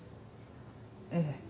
ええ。